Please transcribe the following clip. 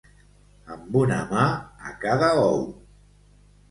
Amb una mà a cada ou.